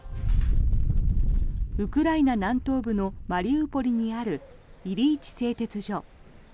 ウクライナ南東部のマリウポリにあるイリイチ製鉄所。